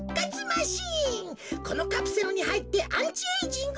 このカプセルにはいってアンチエージング